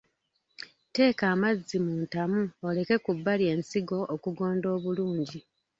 Tteeka amazzi mu ntamu oleke ku bbali ensigo okugonda obulungi.